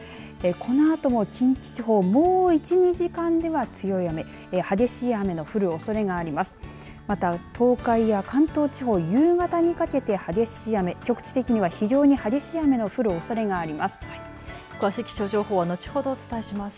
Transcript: このあとも近畿地方もう１２時間で強い雨激しい雨の降るおそれがあります。